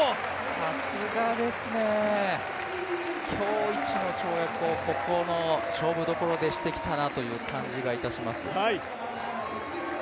さすがですね今日いちの跳躍をここの勝負どころでしてきたなという感じがいたします。